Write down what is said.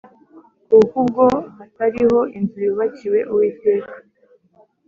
Kuko ubwo hatariho inzu yubakiwe uwiteka